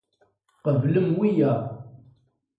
Qebblem wiyaḍ.